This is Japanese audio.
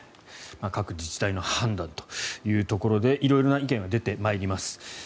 各自治体の判断というところで色々な意見が出てまいります。